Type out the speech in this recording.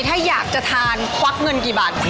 ถ้าอยากจะทานควักเงินกี่บาท